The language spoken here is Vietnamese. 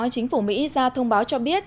chính phủ mỹ ra thông báo cho biết